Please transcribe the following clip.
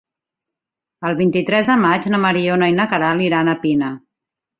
El vint-i-tres de maig na Mariona i na Queralt iran a Pina.